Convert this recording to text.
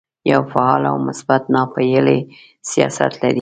یو فعال او مثبت ناپېیلی سیاست لري.